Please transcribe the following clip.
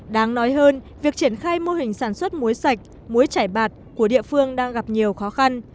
đáng nói hơn việc triển khai mô hình sản xuất muối sạch muối trải bạt của địa phương đang gặp nhiều khó khăn